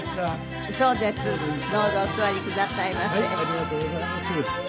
ありがとうございます。